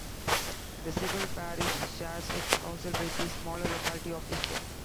The civil parish shares its council with the smaller locality of Eastwell.